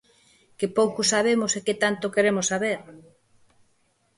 Qué pouco sabemos e que tanto queremos saber.